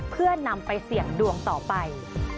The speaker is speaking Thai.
เพื่อนำไปเสี่ยงดวงต่อไป